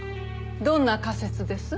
どんな仮説です？